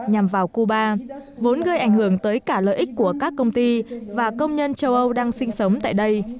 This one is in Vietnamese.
nhằm vào cuba vốn gây ảnh hưởng tới cả lợi ích của các công ty và công nhân châu âu đang sinh sống tại đây